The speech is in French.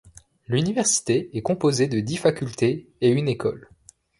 L'université est composée de dix facultés et une école.